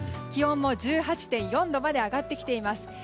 気温も１８．４度まで上がってきています。